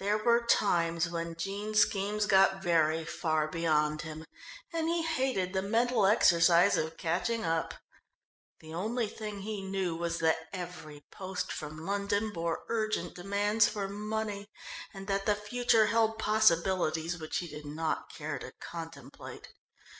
There were times when Jean's schemes got very far beyond him, and he hated the mental exercise of catching up. The only thing he knew was that every post from London bore urgent demands for money, and that the future held possibilities which he did not care to contemplate.